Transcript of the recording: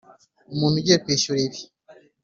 umuntu agiye kwishyura ibi.